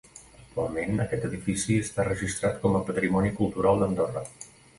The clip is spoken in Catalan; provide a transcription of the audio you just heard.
Actualment aquest edifici està registrat com a Patrimoni Cultural d'Andorra.